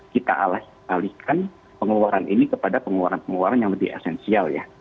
kita alihkan pengeluaran ini kepada pengeluaran pengeluaran yang lebih esensial ya